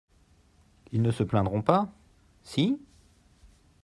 Ils ne se plaidront pas ? Si.